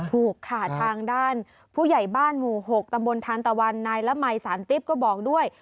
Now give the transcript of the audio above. ถูกค่ะทางด้านผู้ใหญ่บ้านหมู่๖ตำบลทานตะวันนายละมัยสารติ๊บก็บอกด้วย